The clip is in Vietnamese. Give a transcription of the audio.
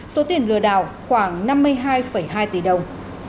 số tiền lừa đảo khoảng năm mươi hai hai tỷ đồng